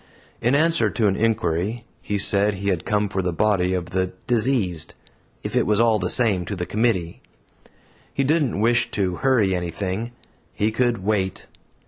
In answer to an inquiry, he said he had come for the body of the "diseased," "if it was all the same to the committee." He didn't wish to "hurry anything"; he could "wait."